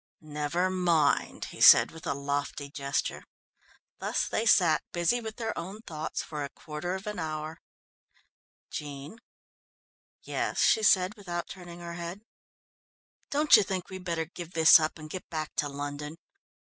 "Never mind," he said with a lofty gesture. Thus they sat, busy with their own thoughts, for a quarter of an hour. "Jean." "Yes," she said without turning her head. "Don't you think we'd better give this up and get back to London?